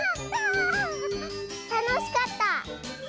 たのしかった！